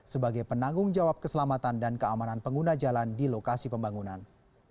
sebagai penanggung jawab keselamatan dan keamanan pengguna jalan di lokasi pembangunan